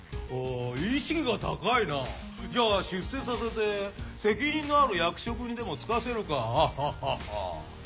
意識が高いなじゃあ出世させて責任のある役職にでも就かせるかアッハッハッハ」。